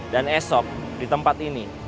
dan esok di tempat ini